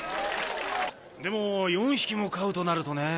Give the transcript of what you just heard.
でも４匹も飼うとなるとね。